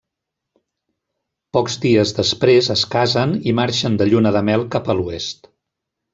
Pocs dies després es casen i marxen de lluna de mel cap a l’oest.